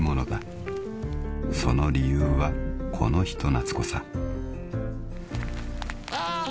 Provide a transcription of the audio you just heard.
［その理由はこの人懐こさ］